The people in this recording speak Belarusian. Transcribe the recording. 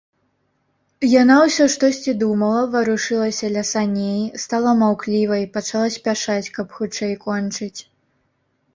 Яна ўсё штосьці думала, варушылася ля саней, стала маўклівай, пачала спяшаць, каб хутчэй кончыць.